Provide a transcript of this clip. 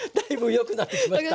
良くなってきました？